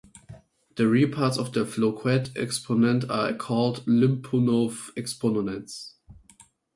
The real parts of the Floquet exponents are called Lyapunov exponents.